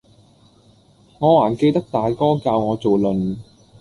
我還記得大哥教我做論，